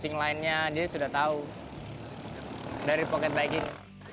dia sudah tahu dari pocket biking